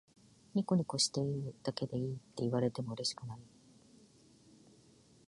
ニコニコしているだけでいいって言われてもうれしくない